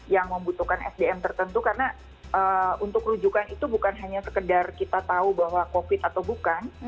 yang membutuhkan sdm tertentu karena untuk rujukan itu bukan hanya sekedar kita tahu bahwa covid atau bukan